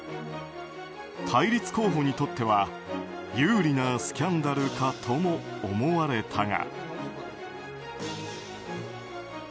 対立候補にとっては有利なスキャンダルかとも思われたが。